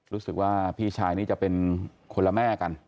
รู้สึกว่าพี่ชายนี่จะเป็นคนละแม่กัน